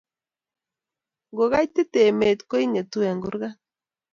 Ko kaitit emet ko ingetu eng kurgat